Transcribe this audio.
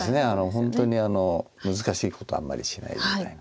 本当に難しいことはあんまりしないみたいな。